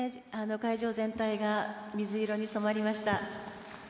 会場全体が水色に染まりました」